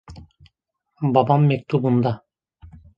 Babam mektubunda.